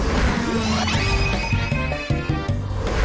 ใช่